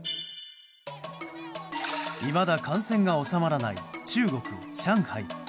いまだ感染が収まらない中国・上海。